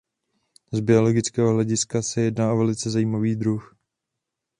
Z biologického hlediska se jedná o velice zajímavý druh.